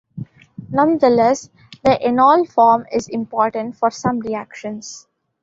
Nonetheless, the enol form is important for some reactions.